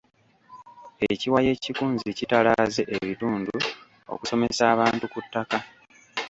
Ekiwayi ekikunzi kitalaaze ebitundu okusomesa abantu ku ttaka.